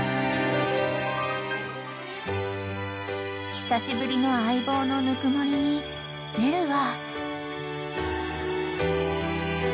［久しぶりの相棒のぬくもりにメルは］